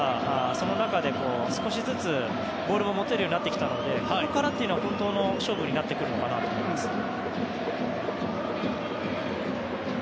その中で、少しずつボールを持てるようになってきてるのでここからというのは本当の勝負になってきますね。